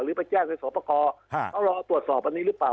หรือไปแจ้งในสอบพกเขารอตรวจสอบอันนี้หรือเปล่า